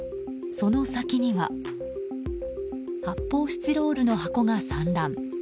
その先には発泡スチロールの箱が散乱。